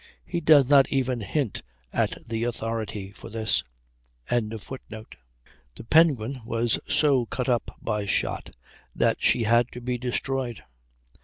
He does not even hint at the authority for this.] The Penguin was so cut up by shot that she had to be destroyed.